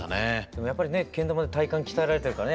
でもやっぱりねけん玉で体幹鍛えられているからねクリームも。